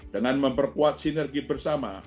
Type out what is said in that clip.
dengan memperkuat sinergi bersama